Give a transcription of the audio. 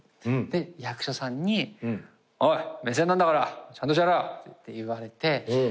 で役所さんに「おい！目線なんだからちゃんとやれよ」って言われて。